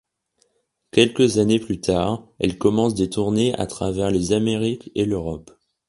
Quelques années plus tard, elle commence des tournées à travers les Amériques et l'Europe.